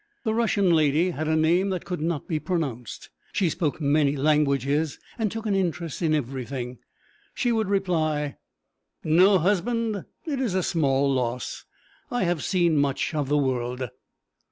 The Russian lady had a name that could not be pronounced; she spoke many languages, and took an interest in everything. She would reply 'No husband! It is small loss. I have seen much of the world.'